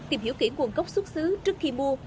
tìm hiểu kỹ nguồn gốc xuất xứ trước khi mua